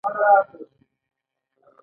دا د طرفینو د ارادې په توافق ترسره کیږي.